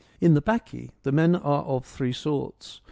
In the Bacchae the men are of three sorts.